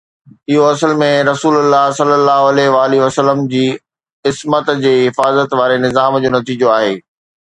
اهو اصل ۾ رسول الله ﷺ جي عصمت جي حفاظت واري نظام جو نتيجو آهي